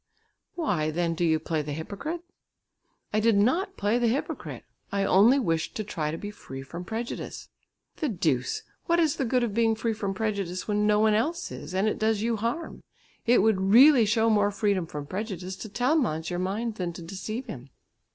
"Why, then, do you play the hypocrite?" "I did not play the hypocrite; I only wished to try to be free from prejudice." "The deuce! what is the good of being free from prejudice when no one else is, and it does you harm? It would really show more freedom from prejudice to tell Måns your mind than to deceive him."